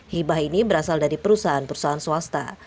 hibah ini berasal dari perusahaan perusahaan swasta